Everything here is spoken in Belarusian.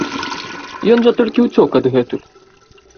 Ён жа толькі ўцёк адгэтуль!